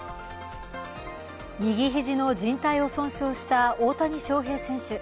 右肘のじん帯を損傷した大谷翔平選手。